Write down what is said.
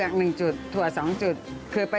เอาไว้จะได้โดนไส้อะไร